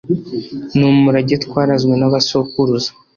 Ni umurage twarazwe n’abasokuruza